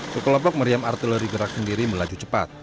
sekelompok meriam artileri gerak sendiri melaju cepat